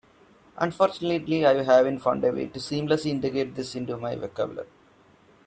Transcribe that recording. Unfortunately, I haven't found a way to seamlessly integrate this into my vocabulary.